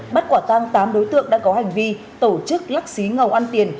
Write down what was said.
bắt quả tăng tám đối tượng đã có hành vi tổ chức lắc xí ngầu ăn tiền